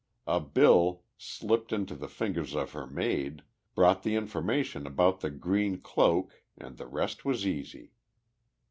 A bill, slipped into the fingers of her maid, brought the information about the green cloak, and the rest was easy.